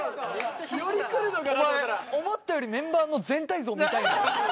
お前思ったよりメンバーの全体像見たいんだな。